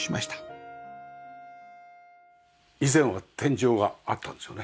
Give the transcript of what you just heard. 以前は天井があったんですよね？